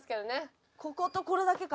こことこれだけか。